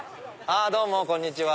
どうもこんにちは！